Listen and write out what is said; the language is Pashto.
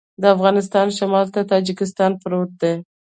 د افغانستان شمال ته تاجکستان پروت دی